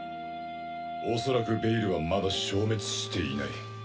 恐らくベイルはまだ消滅していない。